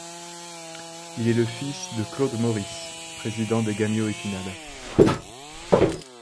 Il est le fils de claude Maurice, président des Gamyo Épinal.